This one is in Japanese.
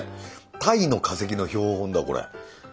鯛の化石の標本だこれ。